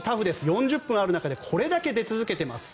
４０分ある中でこれだけ出続けています。